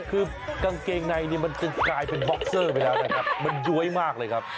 คือกางเกงในนี่มันกลายเป็นบ็อกเซอร์ไปแล้วนะครับมันย้วยมากเลยครับ